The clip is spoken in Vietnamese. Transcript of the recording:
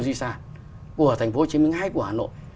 di sản của thành phố hồ chí minh hay của hà nội